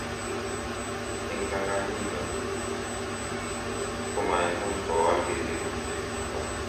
eng tanganyindo nyu ko maimuch kowal tebutiet notok